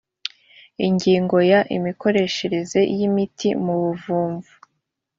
ingingo ya imikoreshereze y imiti mu buvumvu